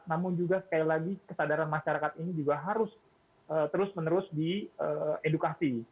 namun juga sekali lagi kesadaran masyarakat ini juga harus terus menerus diedukasi